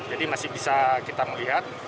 jadi masih bisa kita melihat